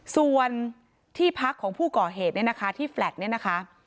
ส่วนที่พักของผู้ก่อเหตุเนี่ยนะคะที่แลต์เนี่ยนะคะ